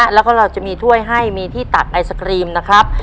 แล้วก็เราจะมีถ้วยให้มีที่ตักไอศกรีมนะครับ